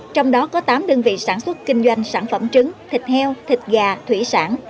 trong đó có tám đơn vị sản xuất kinh doanh sản phẩm trứng thịt heo thịt gà thủy sản